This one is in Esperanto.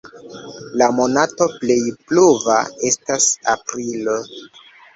La monato plej pluva estas aprilo.